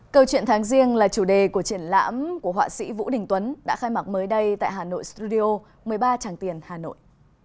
câu chuyện tháng riêng là chủ đề của triển lãm của họa sĩ vũ đình tuấn đã khai mạc mới đây tại hà nội studio một mươi ba tràng tiền hà nội